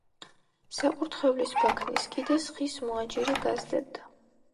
საკურთხევლის ბაქნის კიდეს ხის მოაჯირი გასდევდა.